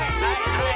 はい！